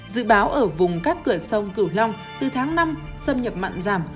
dự báo ở vùng các cửa sông cửu long từ tháng năm xâm nhập mặn giảm